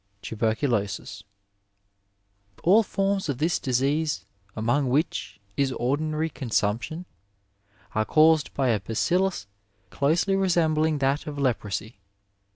Tuberoulosis. — ^AU forms of this disease, among which is ordinary consumption, are caused by a bacUlus closely resembling that of leprosy.